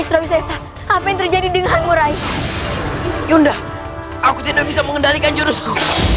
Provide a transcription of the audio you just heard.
isroisaisa apa yang terjadi dengan murai yunda aku tidak bisa mengendalikan jurusku